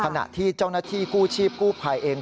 ขณะที่เจ้าหน้าที่กู้ชีพกู้ภัยเอง